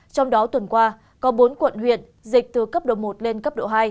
trong đó tuần qua có bốn quận huyện dịch từ cấp độ một lên cấp độ hai